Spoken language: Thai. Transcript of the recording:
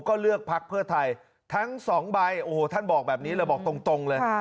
ก็เลือกพักเพื่อไทยทั้งสองใบโอ้โหท่านบอกแบบนี้เลยบอกตรงเลย